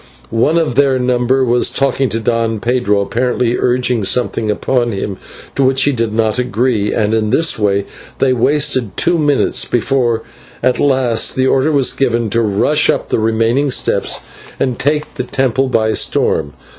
One of their number was talking to Don Pedro, apparently urging something upon him to which he did not agree, and in this way they wasted two minutes before at last the order was given to rush up the remaining steps and take the temple by storm.